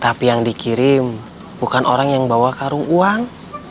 tapi yang dikirim bukan orang yang bawa karung uang